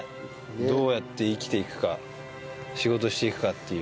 どうやって生きていくか仕事していくかっていう。